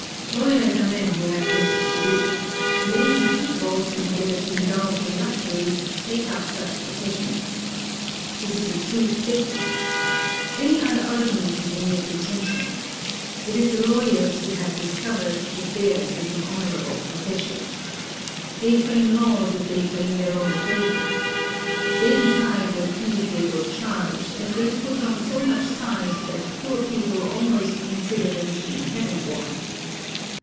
Lawyers are men who have little to do. Lazy people, in order to indulge in luxuries, take up such professions. This is a true statement. Any other argument is a mere pretension. It is the lawyers who have discovered that theirs is an honourable profession. They frame laws as they frame their own praises. They decide what fees they will charge, and they put on so much side that poor people almost consider them to be heaven born.